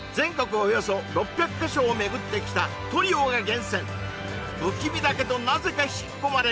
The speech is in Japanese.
およそ６００か所を巡ってきたトリオが厳選不気味だけどなぜか引き込まれる